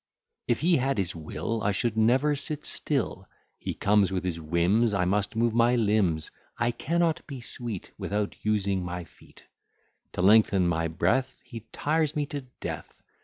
If he had his will, I should never sit still: He comes with his whims I must move my limbs; I cannot be sweet Without using my feet; To lengthen my breath, He tires me to death.